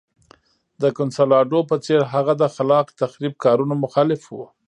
د کنسولاډو په څېر هغه د خلاق تخریب کارونو مخالف و.